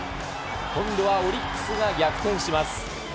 今度はオリックスが逆転します。